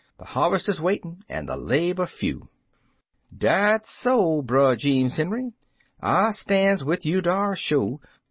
The harvest is waitin' an' the labor few." "Dat so. Brer Jeems Henry; I Stan's wid you dar, sho.